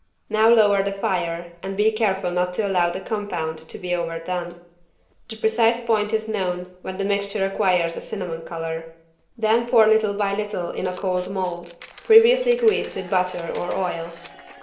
Now lower the fire and be careful not to allow the compound to be overdone. The precise point is known when the mixture acquires a cinnamon color. Then pour little by little in a cold mold, previously greased with butter or oil.